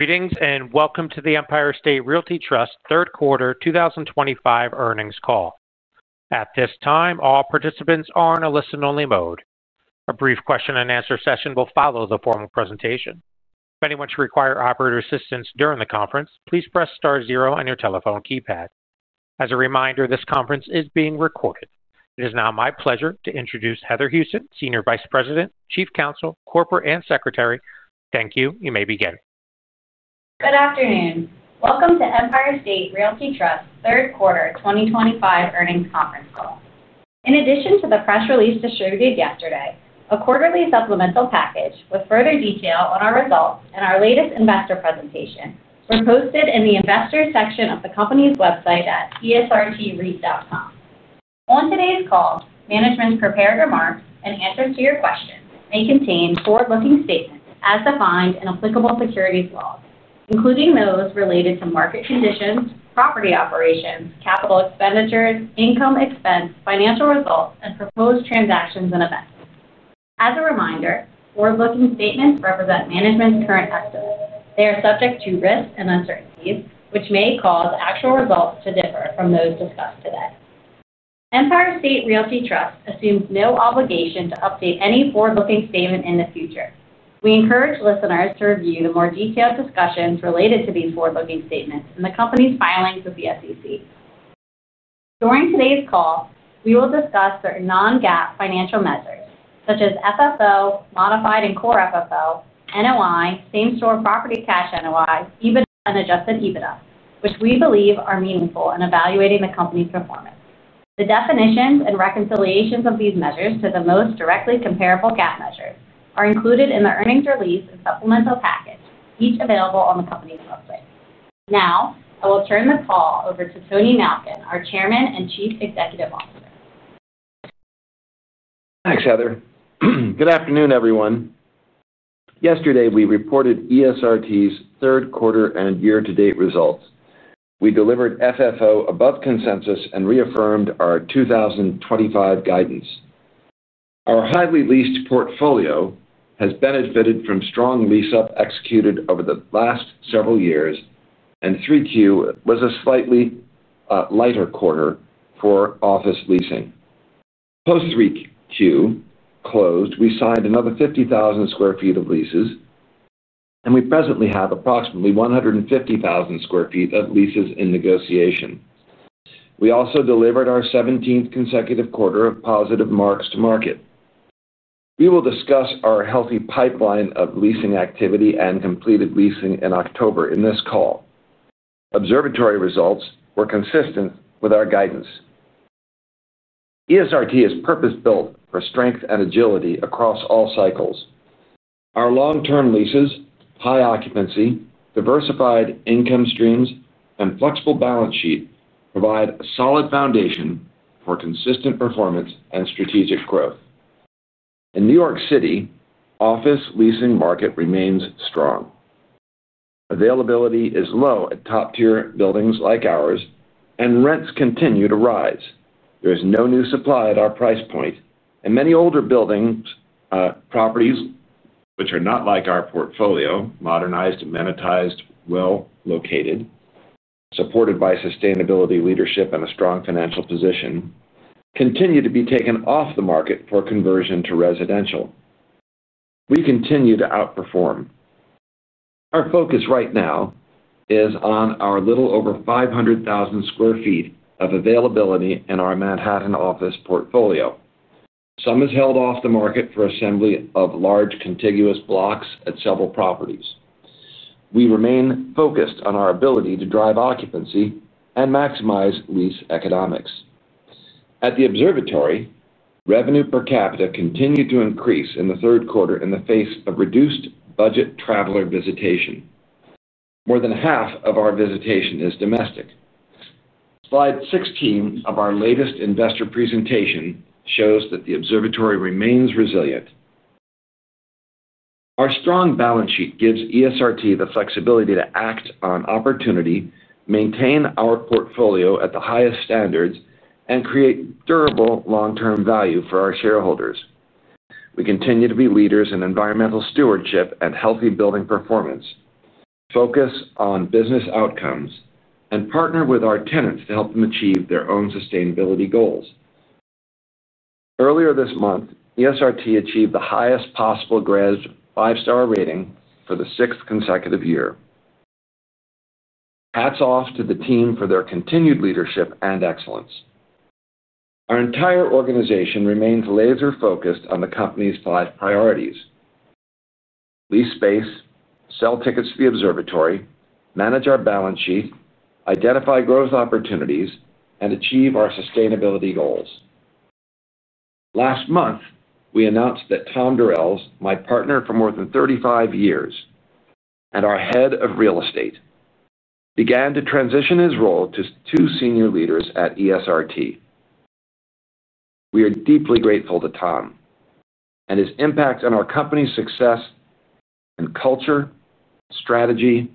Greetings and welcome to the Empire State Realty Trust Third Quarter 2025 Earnings Call. At this time, all participants are in a listen-only mode. A brief question and answer session will follow the formal presentation. If anyone should require operator assistance during the conference, please press *0 on your telephone keypad. As a reminder, this conference is being recorded. It is now my pleasure to introduce Heather Houston, Senior Vice President, Chief Counsel, Corporate and Secretary. Thank you. You may begin. Good afternoon. Welcome to Empire State Realty Trust third quarter 2025 earnings conference call. In addition to the press release distributed yesterday, a quarterly supplemental package with further detail on our results and our latest investor presentation were posted in the Investors section of the company's website at esrtreit.com. On today's call, management's prepared remarks and answers to your questions may contain forward-looking statements as defined in applicable securities, including those related to market conditions, property operations, capital expenditures, income, expense, financial results, and proposed transactions and events. As a reminder, forward-looking statements represent management's current estimates. They are subject to risks and uncertainties which may cause actual results to differ from those discussed today. Empire State Realty Trust assumes no obligation to update any forward-looking statement in the future. We encourage listeners to review the more detailed discussions related to these forward-looking statements in the company's filings with the SEC. During today's call we will discuss certain non-GAAP financial measures such as FFO, modified and core FFO, NOI, same-store property cash NOI, EBIT, and adjusted EBITDA, which we believe are meaningful in evaluating the company's performance. The definitions and reconciliations of these measures to the most directly comparable GAAP measures are included in the earnings release and supplemental package, each available on the company's website. Now I will turn the call over to Anthony Malkin, our Chairman and Chief Executive Officer. Thanks, Heather. Good afternoon, everyone. Yesterday we reported ESRT's third quarter and year-to-date results. We delivered FFO above consensus and reaffirmed our 2025 guidance. Our highly leased portfolio has benefited from strong lease-up executed over the last several years, and 3Q was a slightly lighter quarter for office leasing. Post 3Q close, we signed another 50,000 sq ft of leases, and we presently have approximately 150,000 sq ft of leases in negotiation. We also delivered our 17th consecutive quarter of positive marks to market. We will discuss our healthy pipeline of leasing activity and completed leasing in October. In this call, Observatory results were consistent with our guidance. ESRT is purpose-built for strength and agility across all cycles. Our long-term leases, high occupancy, diversified income streams, and flexible balance sheet provide a solid foundation for consistent performance and strategic growth in New York City. The office leasing market remains strong, availability is low at top-tier buildings like ours, and rents continue to rise. There is no new supply at our price point, and many older buildings, properties which are not like our portfolio—modernized, amenitized, well-located, supported by sustainability leadership, and a strong financial position—continue to be taken off the market for conversion to residential. We continue to outperform. Our focus right now is on our little over 500,000 sq ft of availability in our Manhattan office portfolio. Some is held off the market for assembly of large contiguous blocks at several properties. We remain focused on our ability to drive occupancy and maximize lease economics. At the Observatory. Revenue per capita continued to increase in the third quarter in the face of reduced budget traveler visitation. More than half of our visitation is domestic. Slide 16 of our latest investor presentation shows that the Observatory remains resilient. Our strong balance sheet gives ESRT the flexibility to act on opportunity, maintain our portfolio at the highest standards, and create durable long-term value for our shareholders. We continue to be leaders in environmental stewardship and healthy building performance, focus on business outcomes, and partner with our tenants to help them achieve their own sustainability goals. Earlier this month, ESRT achieved the highest possible GRESB 5-star rating for the sixth consecutive year. Hats off to the team for their continued leadership and excellence. Our entire organization remains laser focused on the company's five priorities, lease space, sell tickets to the Observatory, manage our balance sheet, identify growth opportunities, and achieve our sustainability goals. Last month we announced that Tom Durels, my partner for more than 35 years and our Head of Real Estate, began to transition his role to two Senior Leaders at ESRT. We are deeply grateful to Tom and his impact on our company's success and culture. Strategy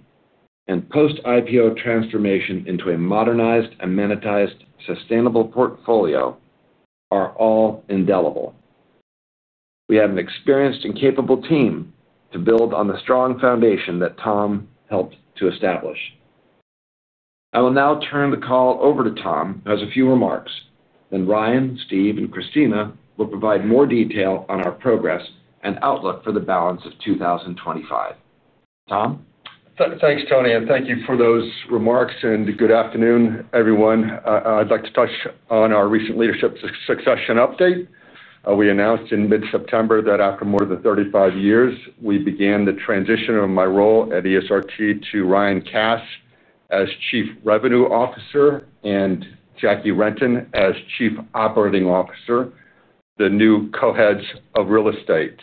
and post-IPO transformation into a modernized, amenitized, sustainable portfolio are all indelible. We have an experienced and capable team to build on the strong foundation that Tom helped to establish. I will now turn the call over to Tom who has a few remarks. Ryan, Steve, and Christina will provide more detail on our progress and outlook for the balance of 2025. Tom? Thanks Tony and thank you for those remarks and good afternoon everyone. I'd like to touch on our recent leadership succession update. We announced in mid-September that after more than 35 years we began the transition of my role at ESRT to Ryan Kass as Chief Revenue Officer and Jackie Renton as Chief Operating Officer, the new co-heads of Real Estate.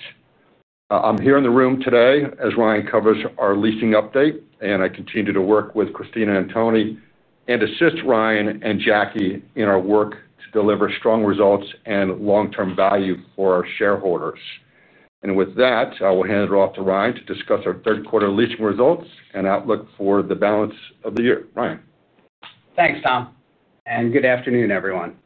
I'm here in the room today as Ryan covers our leasing update and I continue to work with Christina and Tony and assist Ryan and Jackie in our work to deliver strong results and long-term value for our shareholders. With that I will hand it off to Ryan to discuss our third quarter leasing results and outlook for the balance of the year. Ryan, thanks Tom, and good afternoon everyone.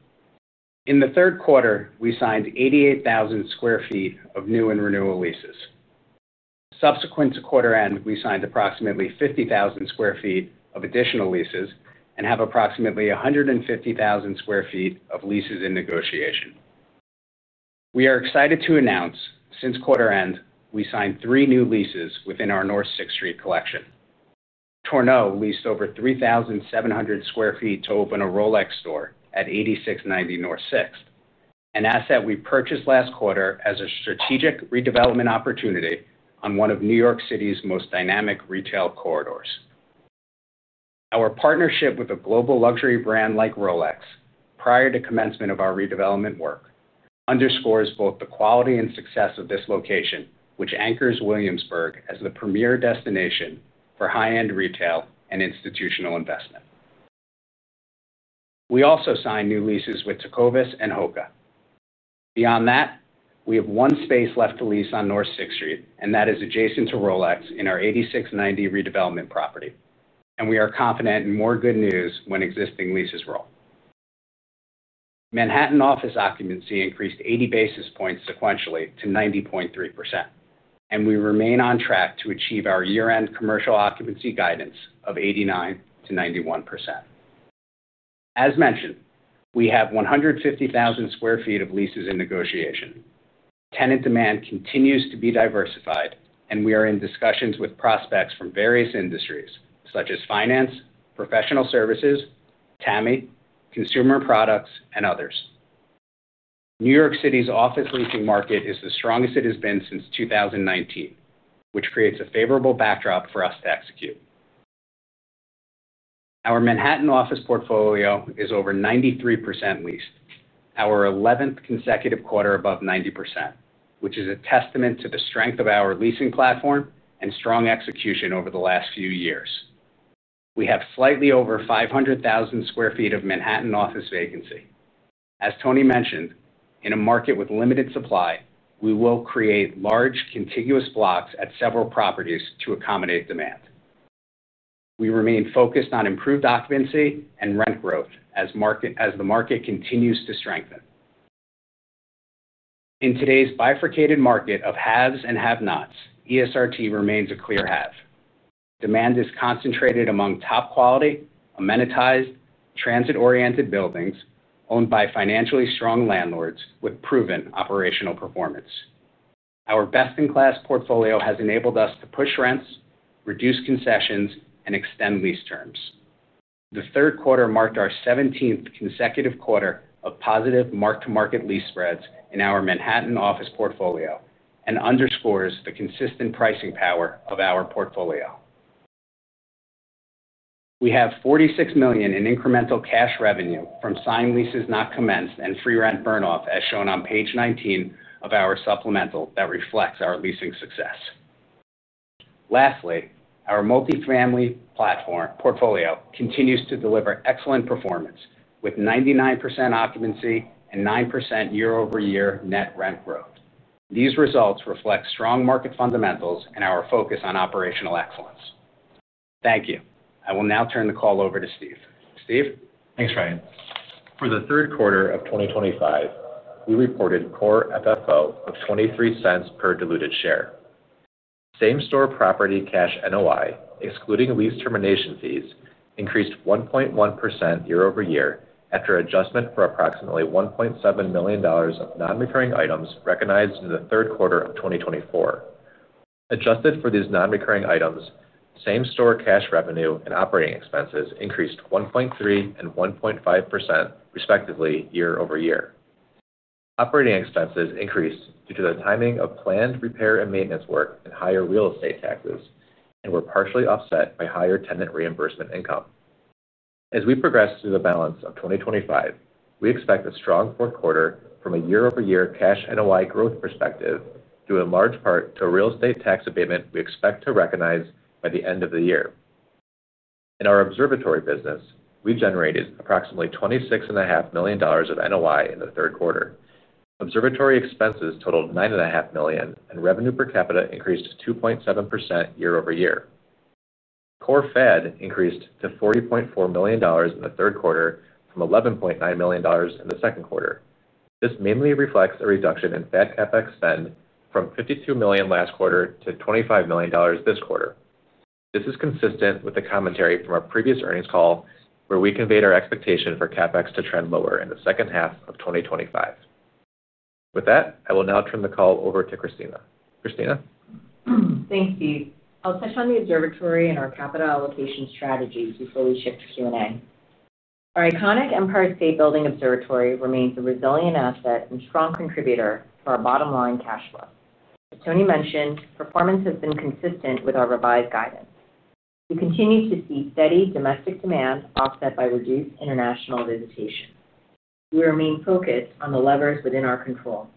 In the third quarter, we signed 88,000 sq ft of new and renewal leases. Subsequent to quarter end, we signed approximately 50,000 sq ft of additional leases and have approximately 150,000 sq ft of leases in negotiation. We are excited to announce since quarter end we signed three new leases within our North Sixth Street collection. Tourneau leased over 3,700 sq ft to open a Rolex store at 86-90 North Sixth, an asset we purchased last quarter as a strategic redevelopment opportunity on one of New York City's most dynamic retail corridors. Our partnership with a global luxury brand like Rolex prior to commencement of our redevelopment work underscores both the quality and success of this location, which anchors Williamsburg as the premier destination for high-end retail and institutional investment. We also signed new leases with Tecovas and HOKA. Beyond that, we have one space left to lease on North Sixth Street, and that is adjacent to Rolex in our 86-90 redevelopment property, and we are confident in more good news when existing leases roll. Manhattan office occupancy increased 80 basis points sequentially to 90.3%, and we remain on track to achieve our year-end commercial occupancy guidance of 89% to 91%. As mentioned, we have 150,000 sq ft of leases in negotiation. Tenant demand continues to be diversified, and we are in discussions with prospects from various industries such as finance, professional services, TAMI, consumer products, and others. New York City's office leasing market is the strongest it has been since 2019, which creates a favorable backdrop for us to execute. Our Manhattan office portfolio is over 93% leased, our 11th consecutive quarter above 90%, which is a testament to the strength of our leasing platform and strong execution over the last few years. We have slightly over 500,000 sq ft of Manhattan office vacancy. As Tony mentioned, in a market with limited supply, we will create large contiguous blocks at several properties to accommodate demand. We remain focused on improved occupancy and rent growth as the market continues to strengthen. In today's bifurcated market of haves and have-nots, ESRT remains a clear have. Demand is concentrated among top-quality, amenitized, transit-oriented buildings owned by financially strong landlords with proven operational performance. Our best-in-class portfolio has enabled us to push rents, reduce concessions, and extend lease terms. The third quarter marked our 17th consecutive quarter of positive mark to market lease spreads in our Manhattan office portfolio and underscores the consistent pricing power of our portfolio. We have $46 million in incremental cash revenue from signed leases not commenced and free rent burn off as shown on page 19 of our supplemental that reflects our leasing success. Lastly, our multifamily platform portfolio continues to deliver excellent performance with 99% occupancy and 9% year over year net rent growth. These results reflect strong market fundamentals and our focus on operational excellence. Thank you. I will now turn the call over to Steve. Thanks, Ryan.For the third quarter of 2025, we reported core FFO of $0.23 per diluted share. Same-store property cash NOI excluding lease termination fees increased 1.1% year over year after adjustment for approximately $1.7 million of nonrecurring items recognized in the third quarter of 2024. Adjusted for these nonrecurring items, same-store cash revenue and operating expenses increased 1.3% and 1.5%, respectively, year over year. Operating expenses increased due to the timing of planned repair and maintenance work and higher real estate taxes and were partially offset by higher tenant reimbursement income. As we progress through the balance of 2025, we expect a strong fourth quarter from a year over year cash NOI growth perspective due in large part to a real estate tax abatement we expect to recognize by the end of the year. In our Observatory business, we generated approximately $26.5 million of NOI in the third quarter. Observatory expenses totaled $9.5 million and revenue per capita increased 2.7% year over year. Core FAD increased to $40.4 million in the third quarter from $11.9 million in the second quarter. This mainly reflects a reduction in Fed CapEx spend from $52 million last quarter to $25 million this quarter. This is consistent with the commentary from our previous earnings call where we conveyed our expectation for CapEx to trend lower in the second half of 2025. With that, I will now turn the call over to Christina. Thanks, Steve. I'll touch on the Observatory and our capital allocation strategies before we shift to Q&A. Our iconic Empire State Building Observatory remains a resilient asset and strong contributor to our bottom line cash flow. As Tony mentioned, performance has been consistent with our revised guidance. We continue to see steady domestic demand offset by reduced international visitation. We remain focused on the levers within our control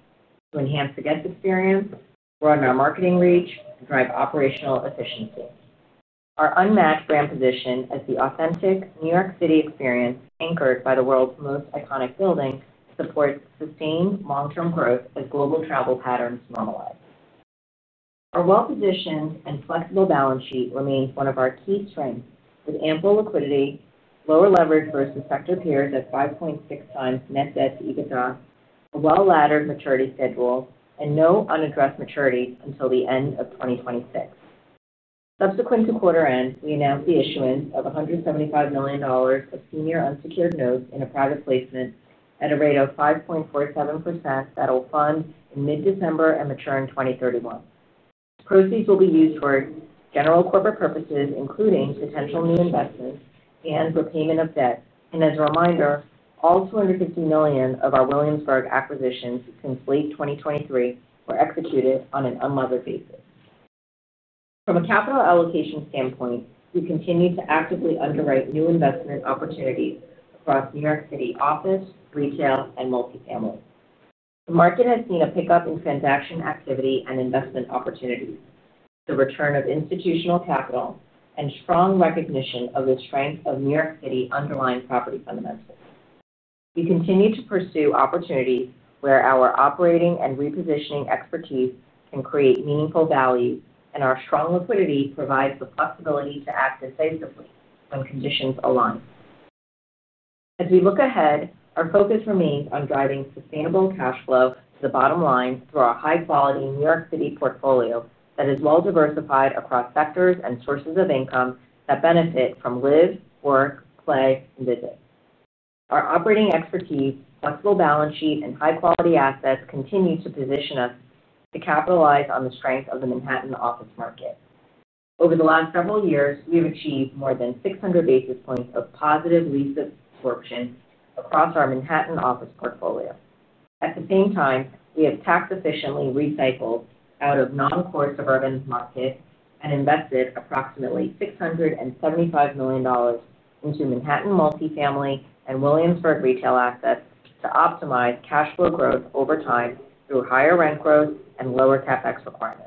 to enhance the guest experience, broaden our marketing reach, and drive operational efficiency. Our unmatched brand position as the authentic New York City experience, anchored by the world's most iconic building, supports sustained long term growth as global travel patterns normalize. Our well positioned and flexible balance sheet remains one of our key strengths with ample liquidity, lower leverage for sector peers at 5.6x net debt to EBITDA, a well laddered maturity schedule, and no unaddressed maturity until the end of 2026. Subsequent to quarter end, we announced the issuance of $175 million of senior unsecured notes in a private placement at a rate of 5.47% that will fund in mid December and mature in 2031. Proceeds will be used for general corporate purposes including potential new investments and repayment of debt. As a reminder, all $250 million of our Williamsburg acquisitions completed in 2023 were executed on an unlevered basis. From a capital allocation standpoint, we continue to actively underwrite new investment opportunities across New York City office, retail, and multifamily. The market has seen a pickup in transaction activity and investment opportunities, the return of institutional capital, and strong recognition of the strength of New York City underlying property fundamentals. We continue to pursue opportunities where our operating and repositioning expertise can create meaningful value, and our strong liquidity provides the flexibility to act defensively when conditions align. As we look ahead, our focus remains on driving sustainable cash flow to the bottom line through our high quality New York City portfolio that is well diversified across sectors and sources of income that benefit from live, work, play, and visit. Our operating expertise, flexible balance sheet, and high quality assets continue to position us to capitalize on the strength of the Manhattan office market. Over the last several years, we have achieved more than 600 basis points of positive lease absorption across our Manhattan office portfolio. At the same time, we have tax efficiently recycled out of non core suburban market and invested approximately $675 million into Manhattan multifamily and Williamsburg retail assets to optimize cash flow growth over time through higher rent growth and lower CapEx requirements.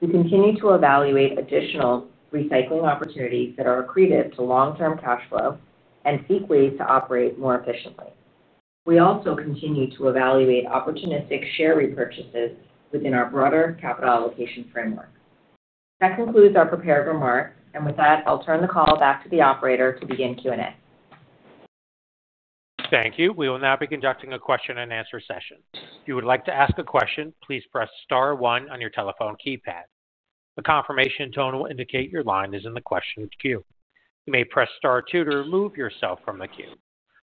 We continue to evaluate additional recycling opportunities that are accretive to long term cash flow and seek ways to operate more efficiently. We also continue to evaluate opportunistic share repurchases within our broader capital allocation framework. That concludes our prepared remarks, and with that, I'll turn the call back to the operator to begin Q&A. Thank you. We will now be conducting a question and answer session. If you would like to ask a question, please press Star one on your telephone keypad. The confirmation tone will indicate your line is in the question queue. You may press Star two to remove yourself from the queue.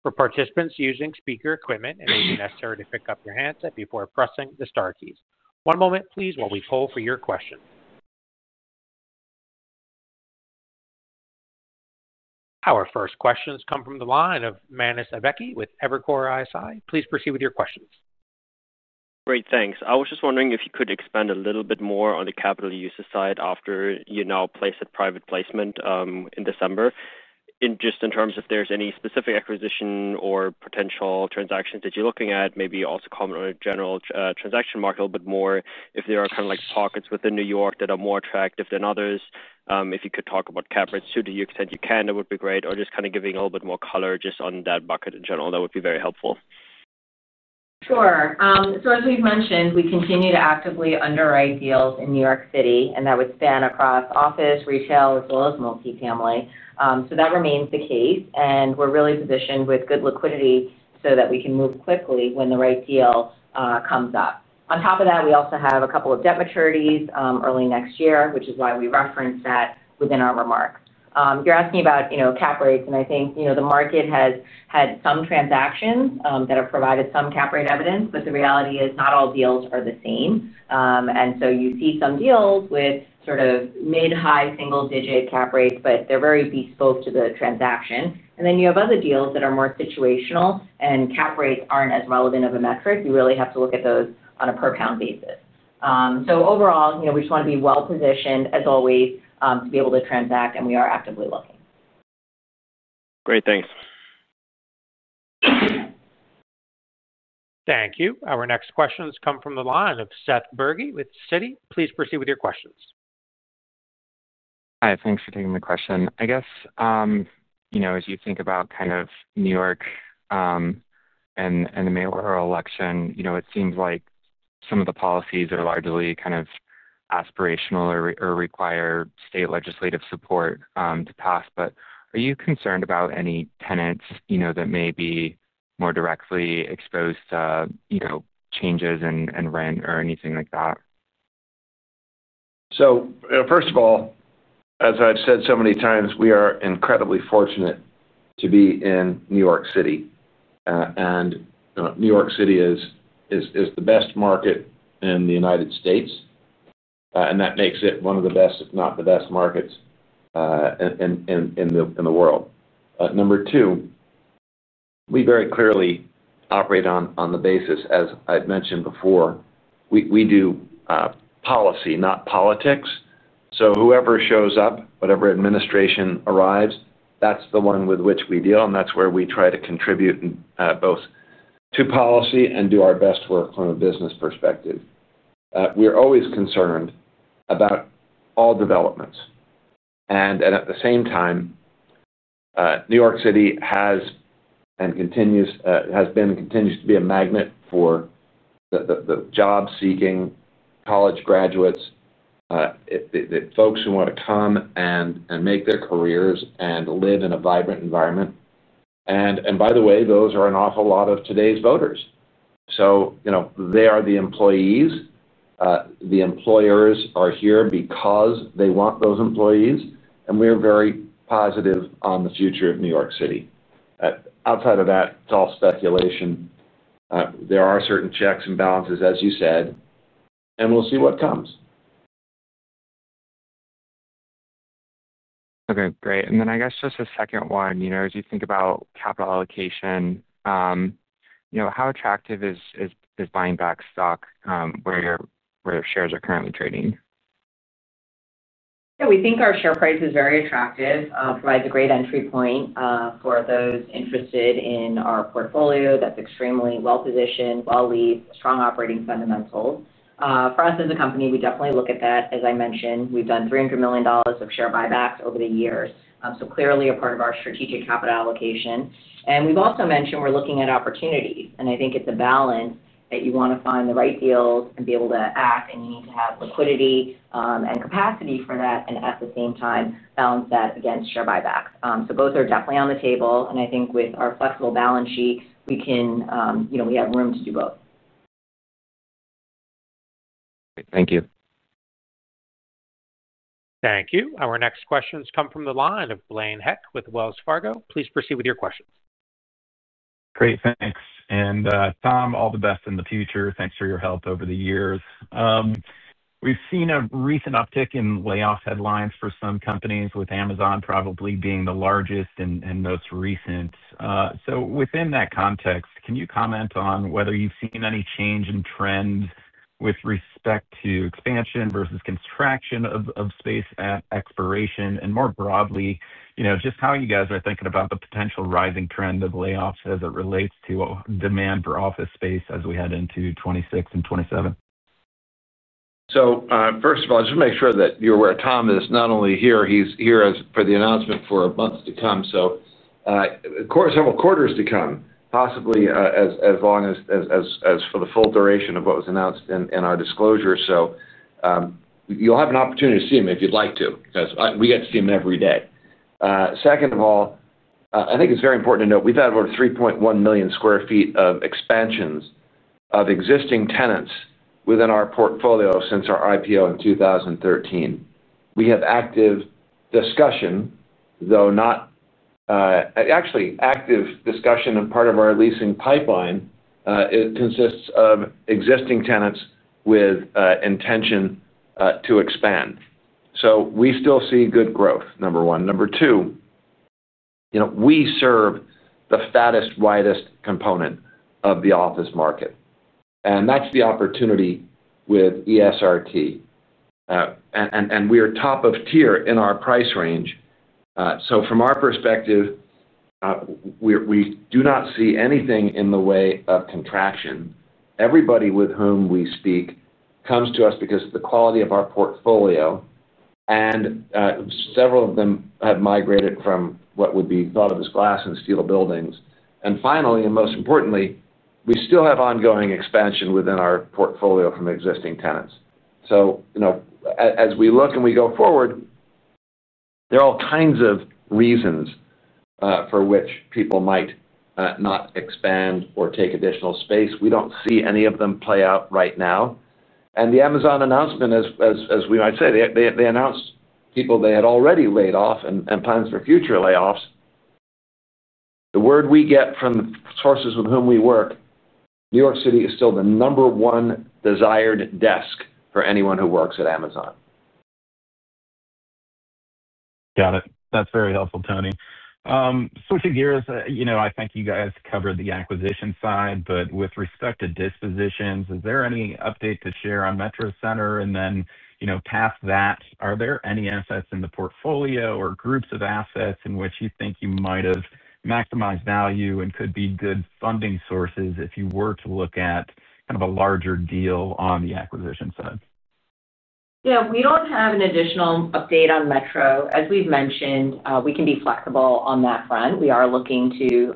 For participants using speaker equipment, it may be necessary to pick up your handset before pressing the star keys. One moment, please, while we poll for your question. Our first questions come from the line of Manus Ibekwe with Evercore ISI. Please proceed with your questions. Great, thanks. I was just wondering if you could expand a little bit more on the capital uses side after you now place a private placement in December. Just in terms if there's any specific acquisition or potential transactions that you're looking at. Maybe also comment on the general transaction market a little bit more. If there are kind of like pockets within New York that are more attractive than others. If you could talk about cap rates to the extent you can, that would be great. Or just kind of giving a little bit more color just on that bucket in general, that would be very helpful. Sure. As we've mentioned, we continue to actively underwrite deals in New York City and that would span across office, retail, as well as multifamily. That remains the case and we're really positioned with good liquidity so that we can move quickly when the right deal comes up. On top of that, we also have a couple of debt maturities early next year, which is why we referenced that within our remarks. You're asking about cap rates and I think the market has had some transactions that have provided some cap rate evidence, but the reality is not all deals are the same. You see some deals with sort of mid high single digit cap rates, but they're very bespoke to the transaction. You have other deals that are more situational and cap rates aren't as relevant of a metric. You really have to look at those on a per pound basis. Overall, we just want to be well positioned as always to be able to transact and we are actively looking. Great. Thanks. Thank you. Our next questions come from the line of Seth Bergey with Citi. Please proceed with your questions. Hi, thanks for taking the question. I guess, you know, as you think about kind of New York and the mayoral election, it seems like some of the policies are largely kind of aspirational or require state legislative support to pass. Are you concerned about any tenants that may be more directly exposed, changes in rent or anything like that? First of all, as I've said so many times, we are incredibly fortunate to be in New York City and New York City is the best market in the United States and that makes it one of the best, if not the best markets in the world. Number two, we very clearly operate on the basis, as I've mentioned before, we do policy, not politics. Whoever shows up, whatever administration arrives, that's the one with which we deal. That's where we try to contribute both to policy and do our best work from a business perspective, we're always concerned about all developments. At the same time, New York City has been and continues to be a magnet for the job seeking college graduates, folks who want to come and make their careers and live in a vibrant environment. By the way, those are an awful lot of today's voters. They are the employees. The employers are here because they want those employees. We are very positive on the future of New York City. Outside of that, it's all speculation. There are certain checks and balances, as you said, and we'll see what comes. Okay, great. I guess just a second one. As you think about capital allocation, how attractive is buying back stock where your shares are currently trading? We think our share price is very attractive. It provides a great entry point for those interested in our portfolio that's extremely well positioned, well leased, strong operating fundamentals for us as a company. We definitely look at that. As I mentioned, we've done $300 million of share buybacks over the years, so clearly a part of our strategic capital allocation. We've also mentioned we're looking at opportunities. I think it's a balance that you want to find the right deals and be able to act, and you need to have liquidity and capacity for that, and at the same time balance that against share buybacks. Both are definitely on the table. I think with our flexible balance sheet, we have room to do both. Thank you. Thank you. Our next questions come from the line of Blaine Heck with Wells Fargo. Please proceed with your questions. Great, thanks. Tom, all the best in the future. Thanks for your help. Over the years, we've seen a recent uptick in layoff headlines for some companies, with Amazon probably being the largest and most recent. Within that context, can you comment on whether you've seen any change in trend with respect to expansion versus contraction of space at expiration? More broadly, just how you guys are thinking about the potential rising trend of layoffs as it relates to demand for office space as we head into 2026 and 2027. First of all, just to make sure that you're aware, Tom is not only here, he's here for the announcement for months to come, several quarters to come, possibly as long as for the full duration of what was announced in our disclosure. You'll have an opportunity to see him if you'd like to, because we get to see him every day. Second of all, I think it's very important to note we've had over 3.1 million sq ft of expansions of existing tenants within our portfolio since our IPO in 2013. We have active discussion, though not actually active discussion, and part of our leasing pipeline consists of existing tenants with intention to expand. We still see good growth, number one. Number two, we serve the fattest, widest component of the office market and that's the opportunity with ESRT. We are top of tier in our price range. From our perspective, we do not see anything in the way of contraction. Everybody with whom we speak comes to us because of the quality of our portfolio, and several of them have migrated from what would be thought of as glass and steel buildings. Finally, and most importantly, we still have ongoing expansion within our portfolio from existing tenants. As we look and we go forward, there are all kinds of reasons for which people might not expand or take additional space. We don't see any of them play out right now. The Amazon announcement, as we might say, they announced people they had already laid off and plans for future layoffs. The word we get from the sources with whom we work, New York City is still the number one desired desk for anyone who works at Amazon. Got it. That's very helpful. Tony, switching gears, I think you guys covered the acquisition side, but with respect to dispositions, is there any update to share on Metro Center? Past that, are there any assets in the portfolio or groups of assets in which you think you might have maximized value and could be good funding sources if you were to look at kind of a larger deal on the acquisition side? Yeah, we don't have an additional update on Metro. As we've mentioned, we can be flexible on that front. We are looking to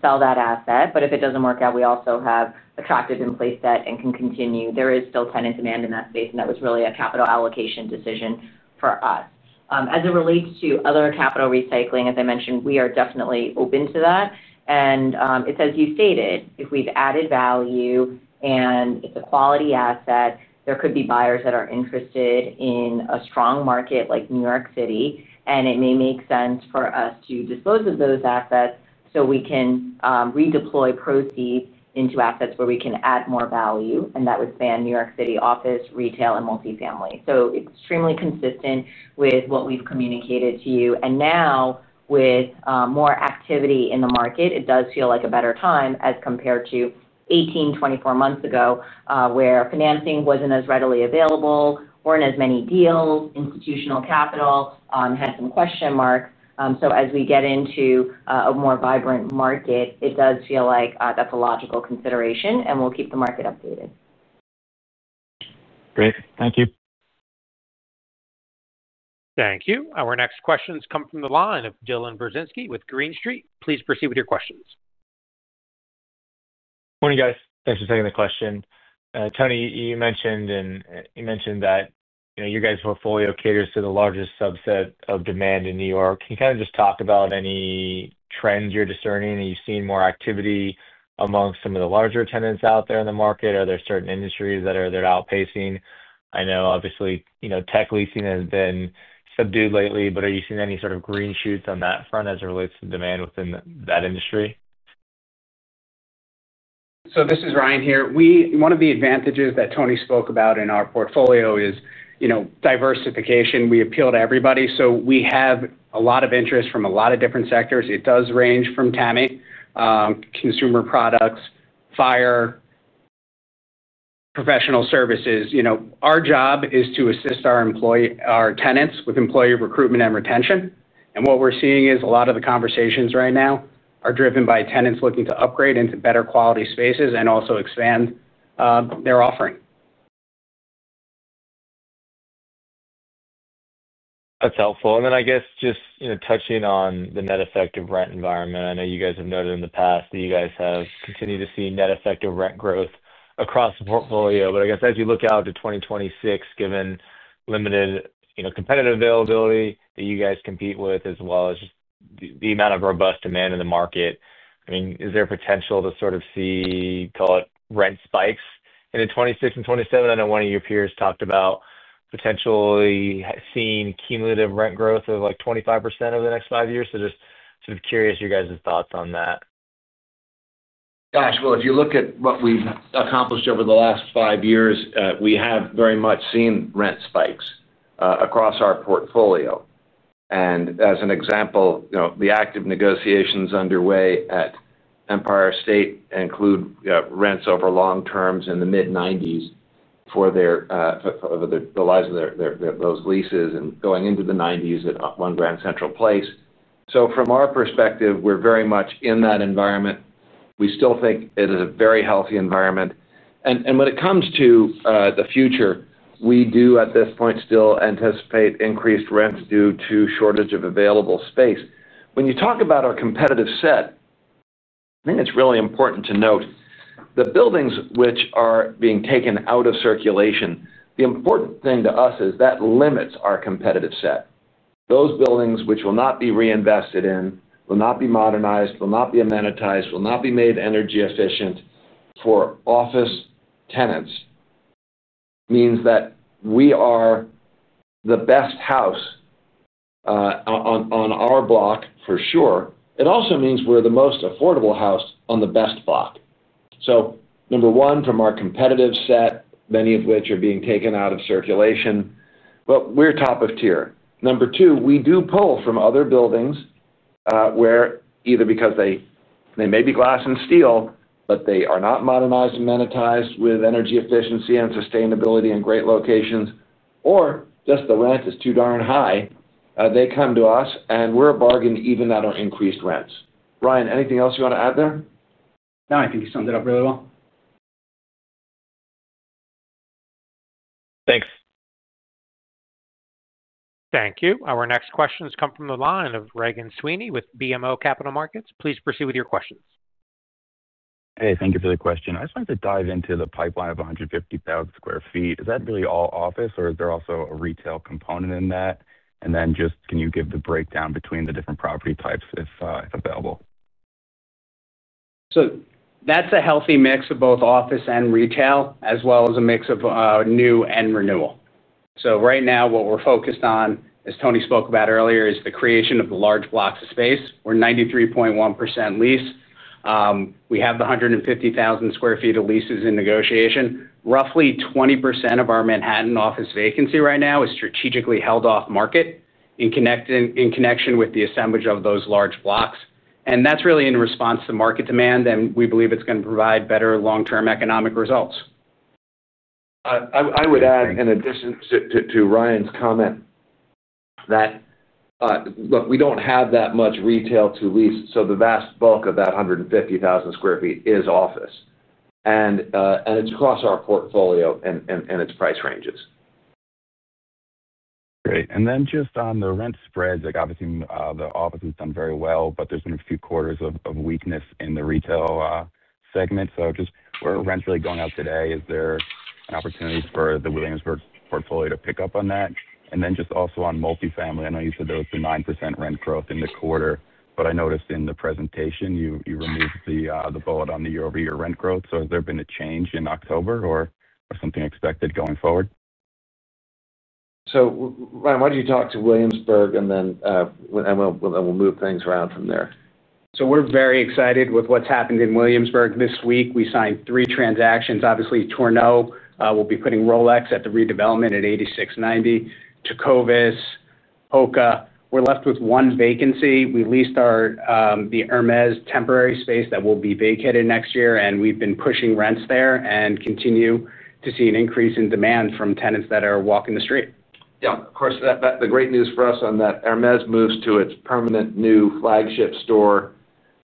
sell that asset. If it doesn't work out, we also have attractive in place debt and can continue. There is still tenant demand in that space and that was really a capital allocation decision for us. As it relates to other capital recycling, as I mentioned, we are definitely open to that. It's as you stated, if we've added value and it's a quality asset, there could be buyers that are interested in a strong market like New York City. It may make sense for us to dispose of those assets so we can redeploy proceeds into assets where we can add more value. That would span New York City office, retail, and multifamily. Extremely consistent with what we've communicated to you. Now with more activity in the market, it does feel like a better time as compared to 18 to 24 months ago where financing wasn't as readily available, there weren't as many deals, institutional capital had some question marks. As we get into a more vibrant market, it does feel like that's a logical consideration and we'll keep the market up to. Great. Thank you. Thank you. Our next questions come from the line of Dylan Burzinski with Green Street. Please proceed with your questions. Morning guys. Thanks for taking the question. Tony, you mentioned that your guys' portfolio caters to the largest subset of demand in New York. Can you kind of just talk about any trends you're discerning? Are you seeing more activity among some of the larger tenants out there in the market? Are there certain industries that are outpacing? I know obviously, you know, tech leasing has been subdued lately, but are you seeing any sort of green shoots on that front as it relates to demand within that industry? This is Ryan here. One of the advantages that Tony spoke about in our portfolio is diversification. We appeal to everybody. We have a lot of interest from a lot of different sectors. It does range from TAMI, Consumer Products, FIRE, Professional Services. Our job is to assist our tenants with employee recruitment and retention. What we're seeing is a lot of the conversations right now are driven by tenants looking to upgrade into better quality spaces and also expand their offering. That's helpful. I guess just touching on the net effect of rent environment. I know you guys have noted in the past that you guys have continued to see net effective rent growth across the portfolio. I guess as you look out to 2026, given limited competitive availability that you guys compete with as well as the amount of robust demand in the market, is there potential to see, call it rent spikes in 2026 and 2027? I know one of your peers talked about potentially seeing cumulative rent growth of 25% over the next five years. Just sort of curious your guys' thoughts on that. If you look at what we've accomplished over the last five years, we have very much seen rent spikes across our portfolio. As an example, the active negotiations underway at Empire State include rents over long terms in the mid-$90s. Over the lives of those leases, and going into the 1990s at One Grand Central Place. From our perspective, we're very much in that environment. We still think it is a very healthy environment. When it comes to the future, we do at this point still anticipate increased rents due to shortage of available space. When you talk about our competitive set, I think it's really important to note the buildings which are being taken out of circulation. The important thing to us is that limits our competitive set. Those buildings which will not be reinvested in, will not be modernized, will not be amenitized, will not be made energy efficient for office tenants, means that we are the best house on our block for sure. It also means we're the most affordable house on the best block. Number one, from our competitive set, many of which are being taken out of circulation, we're top of tier. Number two, we do pull from other buildings where either because they may be glass and steel, but they are not modernized and monetized with energy efficiency and sustainability in great locations or just the rent is too darn high, they come to us and we're a bargain even at our increased rents. Ryan, anything else you want to add there? No, I think you summed it up really well. Thanks. Thank you. Our next questions come from the line of Regan Sweeney with BMO Capital Markets. Please proceed with your questions. Hey, thank you for the question. I just wanted to dive into the pipeline of 150,000 sq ft. Is that really all office or is there also a retail component in that? Can you give the breakdown between the different property types if available? That's a healthy mix of both office and retail, as well as a mix of new and renewal. Right now what we're focused on, as Tony spoke about earlier, is the creation of the large blocks of space. We're 93.1% leased. We have the 150,000 sq ft of leases in negotiation. Roughly 20% of our Manhattan office vacancy right now is strategically held off market in connection with the assemblage of those large blocks. That's really in response to market demand, and we believe it's going to provide better long term economic results. I would add in addition to Ryan's comment that we don't have that much retail to lease. The vast bulk of that 150,000 sq ft is office and it's across our portfolio and its price ranges. Great. Just on the rent spreads, obviously the office has done very well, but there's been a few quarters of weakness in the retail segment. Where are rents really going out today? Is there an opportunity for the Williamsburg portfolio to pick up on that? Also, on multifamily, I know you said there was a 9% rent growth in the quarter, but I noticed in the presentation you removed the bullet on the year over year rent growth. Has there been a change in October or something expected going forward? Ryan, why don't you talk to Williamsburg and then we'll move things around from there. We're very excited with what's happened in Williamsburg this week. We signed three transactions, obviously Tourneau. We'll be putting Rolex at the redevelopment at 86-90. Tecovas, HOKA. We're left with one vacancy. We leased the Hermès temporary space that will be vacated next year. We've been pushing rents there and continue to see an increase in demand from tenants that are walking the street. Yeah, of course, the great news for us on that, Hermès moves to its permanent new flagship store,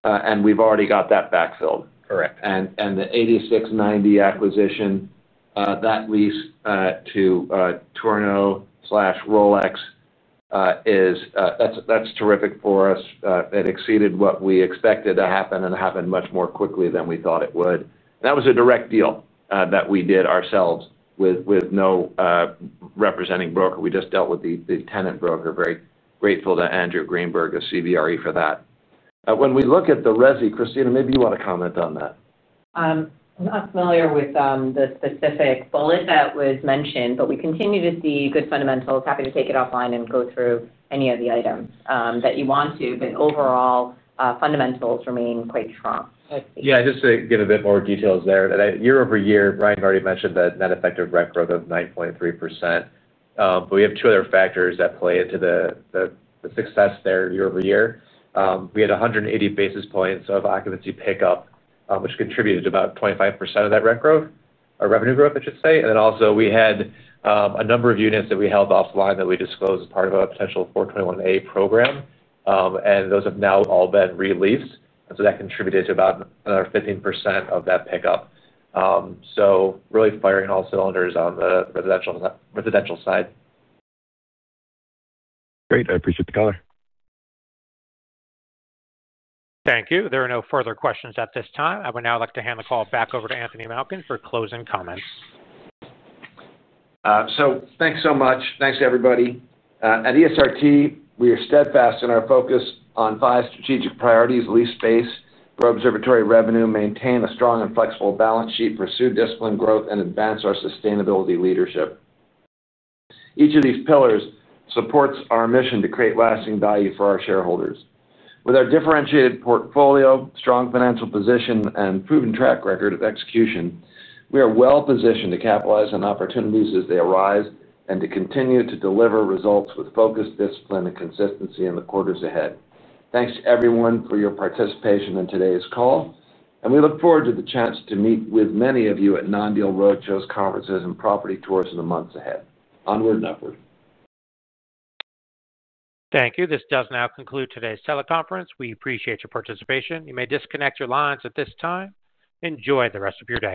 and we've already got that backfilled. Correct. The 86-90 acquisition, that lease to Tourneau/Rolex is. That's terrific for us. It exceeded what we expected to happen and happened much more quickly than we thought it would. That was a direct deal that we did ourselves with no representing broker. We just dealt with the tenant broker. Very grateful to Andrew Greenberg of CBRE for that. When we look at the resi, Christina, maybe you want to comment on that. I'm not familiar with the specific bullet that was mentioned, but we continue to see good fundamentals. Happy to take it offline and go through any of the items that you want to, but overall fundamentals remain quite strong. Yeah, just to give a bit more details there year over year. Brian already mentioned that net effective rent growth of 9.3%. We have two other factors that play into the success there. Year over year, we had 180 basis points of occupancy pickup, which contributed to about 25% of that rent growth or revenue growth, I should say. We also had a number of units that we held offline that we disclosed as part of a potential 421a program. Those have now all been re-leased, which contributed to about another 15% of that pickup. Really firing on all cylinders on the residential side. Great. I appreciate the color. Thank you. There are no further questions at this time. I would now like to hand the call back over to Anthony Malkin for closing comments. Thank you so much. Thanks everybody at ESRT. We are steadfast in our focus on five strategic priorities. Lease space, grow observatory revenue, maintain a strong and flexible balance sheet, pursue disciplined growth, and advance our sustainability leadership. Each of these pillars supports our mission to create lasting value for our shareholders. With our differentiated portfolio, strong financial position, and proven track record of execution, we are well positioned to capitalize on opportunities as they arise and to continue to deliver results with focused discipline and consistency in the quarters ahead. Thanks everyone for your participation in today's call, and we look forward to the chance to meet with many of you at non-deal roadshows, conferences, and property tours in the months ahead. Onward and upward. Thank you. This does now conclude today's teleconference. We appreciate your participation. You may disconnect your lines at this time. Enjoy the rest of your day.